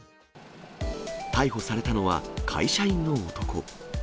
逮捕されたのは、会社員の男。